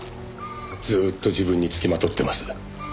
「ずーっと自分に付きまとってます」